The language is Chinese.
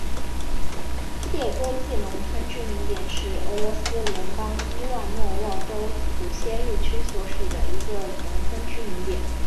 谢戈季农村居民点是俄罗斯联邦伊万诺沃州普切日区所属的一个农村居民点。